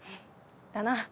だな。